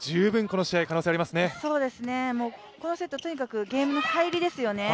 このセット、とにかくゲームの入りですよね。